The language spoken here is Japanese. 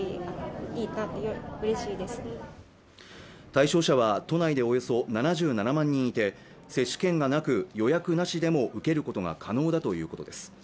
対象者は、都内でおよそ７７万人いて接種券がなく予約なしでも受けることが可能だということです。